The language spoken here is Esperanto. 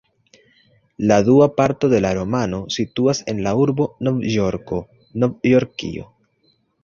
La dua parto de la romano situas en la urbo Novjorko, Novjorkio.